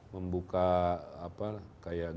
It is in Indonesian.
membuka apa kayak gaya